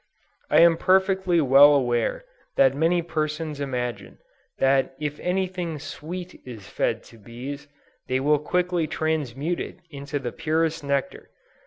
I am perfectly well aware that many persons imagine that if any thing sweet is fed to bees, they will quickly transmute it into the purest nectar.